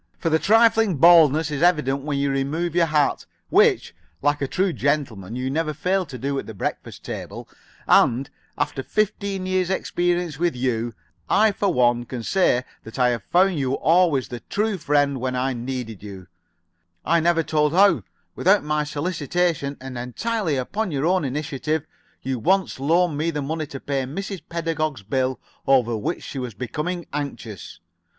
"For your trifling baldness is evident when you remove your hat, which, like a true gentleman, you never fail to do at the breakfast table, and, after a fifteen years' experience with you, I for one can say that I have found you always the true friend when I needed you I never told how, without my solicitation and entirely upon your own initiative, you once loaned me the money to pay Mrs. Pedagog's bill over which she was becoming anxious."